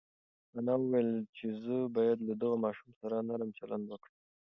انا وویل چې زه باید له دغه ماشوم سره نرم چلند وکړم.